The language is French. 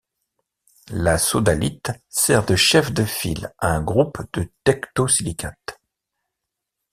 La sodalite sert de chef de file à un groupe de tectosilicates.